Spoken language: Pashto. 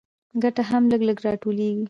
ګټه هم لږ لږ راټولېږي